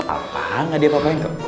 apa gak ada apa apain kok